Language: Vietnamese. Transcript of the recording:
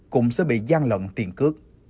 cũng sẽ bị gian lợn tiền cước